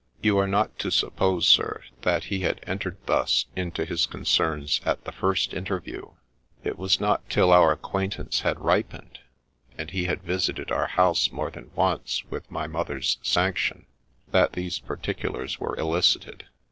You are not to suppose, sir, that he had entered thus into his concerns at the first interview ; it was not till our acquaintance had ripened, and he had visited our house more than once with my mother's sanction, that these particulars were elicited.